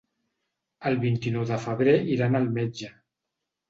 El vint-i-nou de febrer iran al metge.